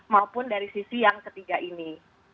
maupun dari sisi yang ketiga ini